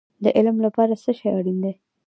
د علم لپاره څه شی اړین دی؟